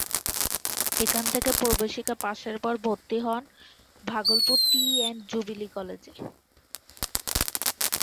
এখান থেকে প্রবেশিকা পাশের পর ভর্তি হন ভাগলপুর টি এন জুবিলি কলেজে।